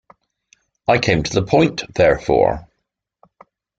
I came to the point, therefore.